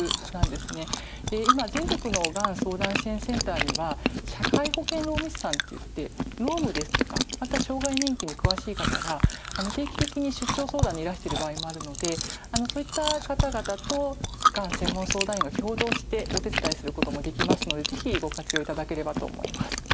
今全国のがん相談支援センターには社会保険労務士さんといって労務ですとかまた障害年金に詳しい方が定期的に出張相談にいらしてる場合もあるのでそういった方々とがん専門相談員が共同してお手伝いすることもできますので是非ご活用いただければと思います。